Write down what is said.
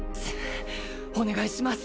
お願いします